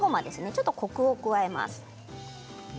ちょっとコクを加えます。